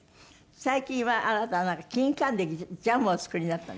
最近はあなたはなんかキンカンでジャムをお作りになったんですって？